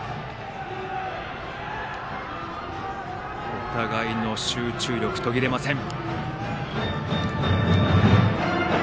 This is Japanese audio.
お互いの集中力、途切れません。